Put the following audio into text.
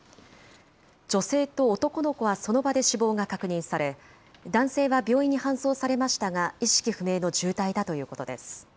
女性と男の子はその場で死亡が確認され、男性は病院に搬送されましたが、意識不明の重体だということです。